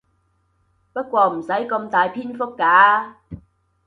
不過唔使咁大篇幅㗎